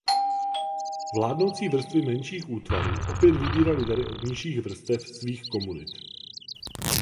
Vládnoucí vrstvy menších útvarů opět vybírali dary od nižších vrstev svých komunit.